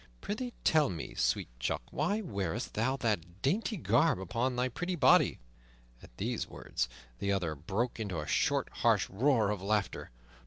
Prythee, tell me, sweet chuck, why wearest thou that dainty garb upon thy pretty body?" At these words the other broke into a short, harsh roar of laughter.